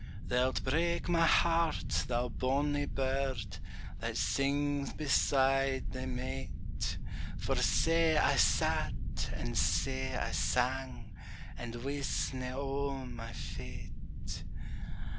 Thou'lt break my heart, thou bonnie bird, That sings beside thy mate; For sae I sat, and sae I sang, And wistna o' my fate.